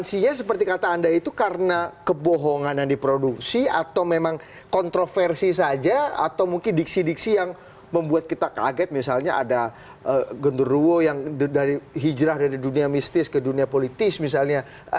tapi kata anda itu karena kebohongan yang diproduksi atau memang kontroversi saja atau mungkin diksi diksi yang membuat kita kaget misalnya ada genduruwo yang dari hijrah dari dunia mistis ke dunia politis misalnya